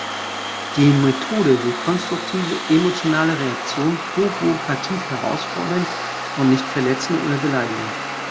Die Methode will konstruktive emotionale Reaktionen provokativ herausfordern und nicht verletzen oder beleidigen.